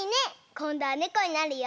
こんどはねこになるよ。